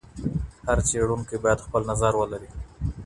هر څېړونکی باید خپل نظر ولري.